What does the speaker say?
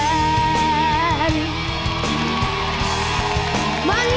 มันง่ายเกินไปใช่ไหมที่ฉันยอมชุมเททุกอย่าง